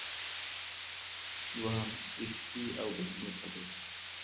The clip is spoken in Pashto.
دويم: عشقي او بزمي خبرې.